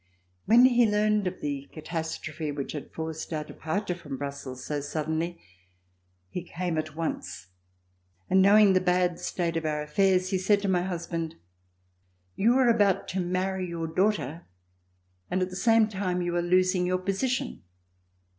When he learned of the catastrophe which forced our departure from Brussels C 378 ] AN AUDIENCE WITH NAPOLEON so suddenly, he came at once, and, knowing the bad state of our affairs, he said to my husband: '"i'ou are about to marry your daughter and at the same time you are losing your position.